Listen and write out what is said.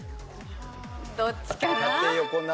どっちかな？